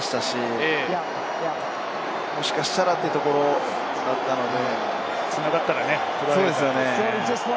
もしかしたらというところだったので。